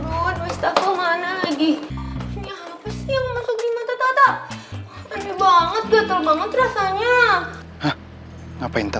aduh tisu ini mana sih